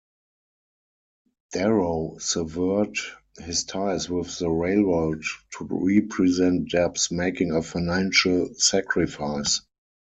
Darrow severed his ties with the railroad to represent Debs, making a financial sacrifice.